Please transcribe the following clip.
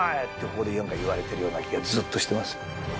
ここで言われてるような気がずっとしてます。